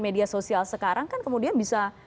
media sosial sekarang kan kemudian bisa